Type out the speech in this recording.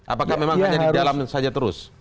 apakah memang hanya di dalam saja terus